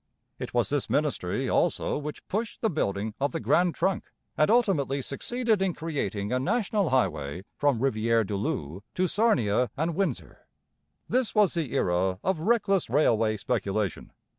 It was this ministry also which pushed the building of the Grand Trunk, and ultimately succeeded in creating a national highway from Rivière du Loup to Sarnia and Windsor. This was the era of reckless railway speculation.